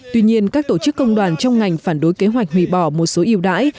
tuy nhiên các tổ chức công đoàn trong ngành phản đối kế hoạch hủy bỏ một số yêu đãi